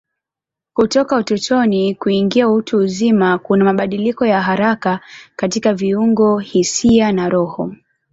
Kutoka utotoni kuingia utu uzima kuna mabadiliko ya haraka katika viungo, hisia na roho.